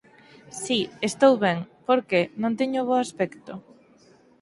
Si, estou ben! Por que, non teño bo aspecto?